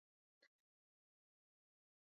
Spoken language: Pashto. روغتيا دالله لوي نعمت ده